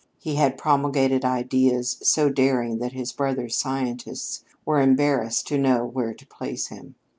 He had promulgated ideas so daring that his brother scientists were embarrassed to know where to place him.